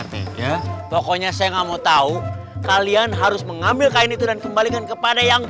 pokoknya saya nggak mau tahu kalian harus mengambil kain itu dan kembalikan kepada yang